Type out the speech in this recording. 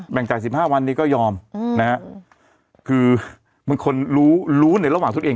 แบ่งจ่าย๑๕วันที่ก็ยอมนะฮะคือมึงคนรู้รู้ในระหว่างศูนย์